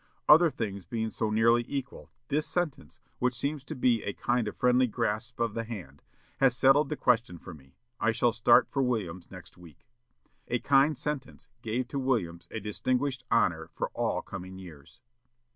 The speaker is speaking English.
Other things being so nearly equal, this sentence, which seems to be a kind of friendly grasp of the hand, has settled the question for me. I shall start for Williams next week." A kind sentence gave to Williams a distinguished honor for all coming years.